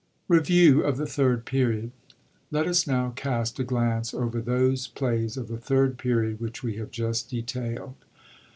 Rbvibw of the Third Period Let us now cast a glance over those plays of the Third Period which we have just detaild.